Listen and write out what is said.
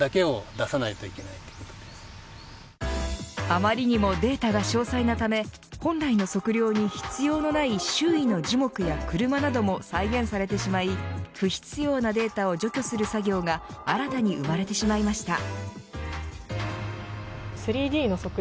あまりにもデータが詳細なため本来の測量に必要のない周囲の樹木や車なども再現されてしまい不必要なデータを除去する作業が新たに生まれてしまいました。